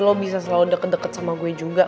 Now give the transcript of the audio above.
lo bisa selalu deket deket sama gue juga